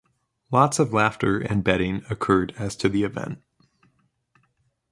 Lots of laughter and betting occurred as to the event.